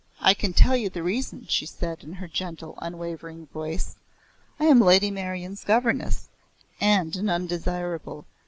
"I can tell you the reason," she said in her gentle unwavering voice. "I am Lady Meryon's governess, and an undesirable.